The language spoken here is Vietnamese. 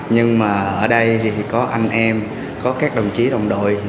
nhưng mà ở đây thì có anh em có các đồng chí đồng đội